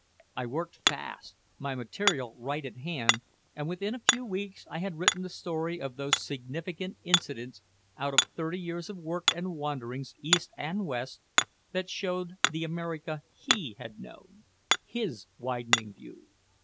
I worked fast, my material right at hand, and within a few weeks I had written the story of those significant incidents out of thirty years of work and wanderings east and west that showed the America he had known, his widening view.